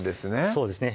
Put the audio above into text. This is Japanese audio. そうですね